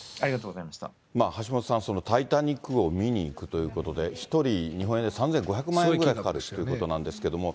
橋下さん、タイタニック号を見にいくということで、１人、日本円で３５００万円ぐらいかかるっていうことなんですけれども。